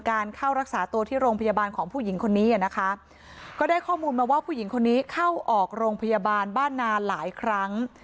เข้ารักษาตัวที่โรงพยาบาลของผู้หญิงคนนี้อ่ะนะคะก็ได้ข้อมูลมาว่าผู้หญิงคนนี้เข้าออกโรงพยาบาลบ้านนาหลายครั้ง